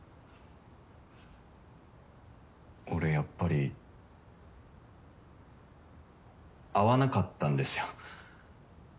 俺やっぱり合わなかったんですよ。